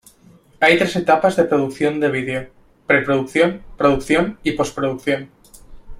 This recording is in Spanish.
Hay tres etapas de producción de vídeo: preproducción, producción, y posproducción.